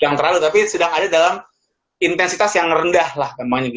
jangan terlalu tapi sedang ada dalam intensitas yang rendah lah